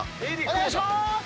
お願いしまーす。